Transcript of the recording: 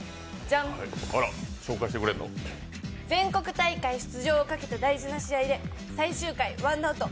全国大会出場をかけた大事な試合で最終回ワンアウト。